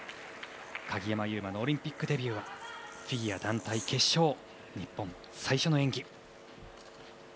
鍵山優真のオリンピックデビューはフィギュア団体決勝。